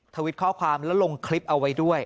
ทวิตข้อความแล้วลงคลิปเอาไว้ด้วย